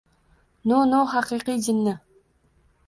— Nu-nu, haqiqiy jinni!